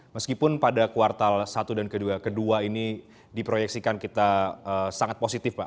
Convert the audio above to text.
meskipun pada kuartal satu dan kedua ini diproyeksikan kita sangat positif pak